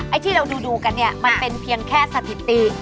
ที่เราดูกันเนี่ยมันเป็นเพียงแค่สถิติ